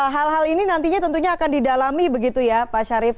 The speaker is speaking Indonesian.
hal hal ini nantinya tentunya akan didalami begitu ya pak syarif